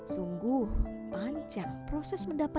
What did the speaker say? sungguh panjang proses mendapati